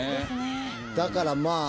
だからまぁ。